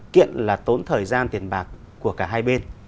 kiện là tốn thời gian tiền bạc của cả hai bên